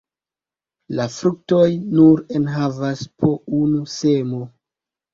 La fruktoj nur enhavas po unu semo.